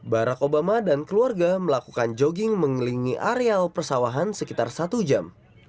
barack obama dan keluarga melakukan jogging mengelilingi areal persawahan sekitar satu jam